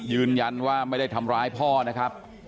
ยืนยันว่าไม่ได้ทำร้ายพ่อนะครับ